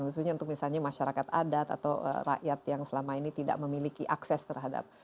khususnya untuk misalnya masyarakat adat atau rakyat yang selama ini tidak memiliki akses terhadap